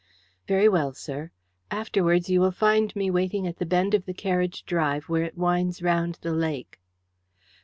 "Very well, sir. Afterwards you will find me waiting at the bend of the carriage drive where it winds round the lake."